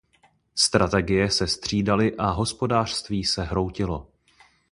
Strategie se střídaly a hospodářství se hroutilo.